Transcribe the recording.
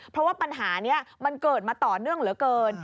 เพราะว่าปัญหานี้มันเกิดมาต่อเนื่องเหลือเกิน